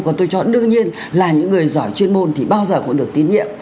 còn tôi cho là đương nhiên là những người giỏi chuyên môn thì bao giờ cũng được tín nhiệm